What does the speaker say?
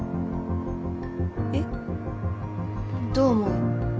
えっ？どう思う？